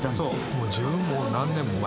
もう十何年も前。